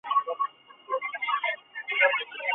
现任中国文化部老干部书画学会常务副会长等职。